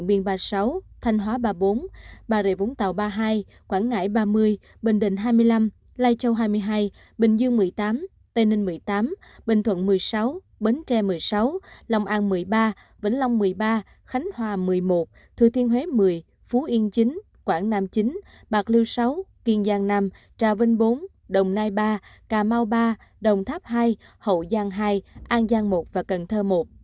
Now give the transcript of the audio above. bà rịa vũng tàu ba mươi hai quảng ngãi ba mươi bình định hai mươi năm lai châu hai mươi hai bình dương một mươi tám tây ninh một mươi tám bình thuận một mươi sáu bến tre một mươi sáu lòng an một mươi ba vĩnh long một mươi ba khánh hòa một mươi một thư thiên huế một mươi phú yên chín quảng nam chín bạc lưu sáu kiên giang năm trà vinh bốn đồng nai ba cà mau ba đồng tháp hai hậu giang hai an giang một và cần thơ một